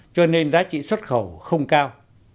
cho nên giá trị xuất khẩu không cao